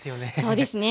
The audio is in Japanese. そうですね。